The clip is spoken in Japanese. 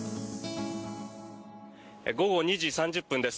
午後２時３０分です。